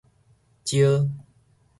招